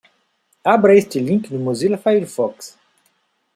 Abra este link no Mozilla Firefox.